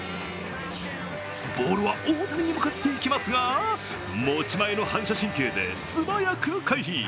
ボールは大谷に向かっていきますが、持ち前の反射神経で素早く回避。